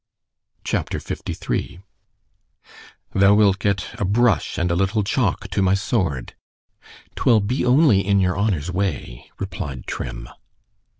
C H A P. LIII ——Thou wilt get a brush and a little chalk to my sword——'Twill be only in your honour's way, replied _Trim.